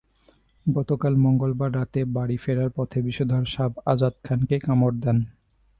গতকাল মঙ্গলবার রাতে বাড়ি ফেরার পথে বিষধর সাপ আজাদ খানকে কামড় দেয়।